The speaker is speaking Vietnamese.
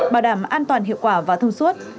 bảo đảm an toàn hiệu quả và thông suốt